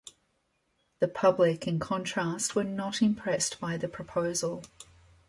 The public, in contrast, were not impressed by the proposal.